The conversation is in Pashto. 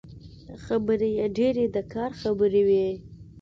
خبرې يې ډېرې د کار خبرې وې.